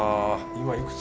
今いくつ？